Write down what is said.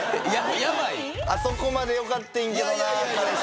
あそこまで良かってんけどな彼氏。